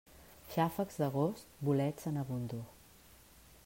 Xàfecs d'agost, bolets en abundor.